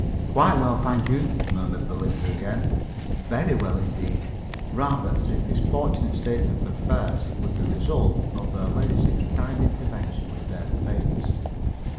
"Quite well, thank you," murmured Miss Belinda again. "Very well indeed;" rather as if this fortunate state of affairs was the result of her ladyship's kind intervention with the fates.